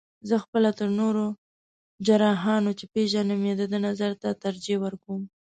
زه خپله تر نورو جراحانو، چې پېژنم یې د ده نظر ته ترجیح ورکوم.